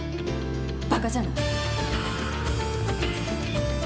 バカじゃない！